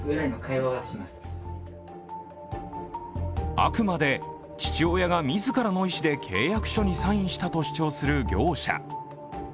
あくまで父親が自らの意思で契約書にサインしたと主張する業者。